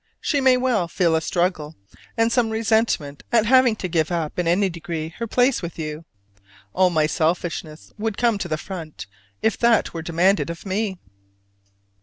She may well feel a struggle and some resentment at having to give up in any degree her place with you. All my selfishness would come to the front if that were demanded of me.